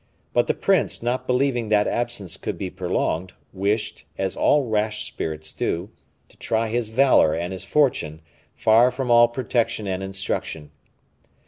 But the prince, not believing that absence could be prolonged, wished, as all rash spirits do, to try his valor and his fortune far from all protection and instruction.